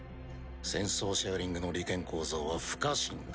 戦争シェアリングの利権構造は不可侵だ。